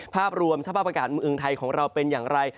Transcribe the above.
ภาพรวมสภาพอากาศเมืองไทยของเราเป็นอย่างไร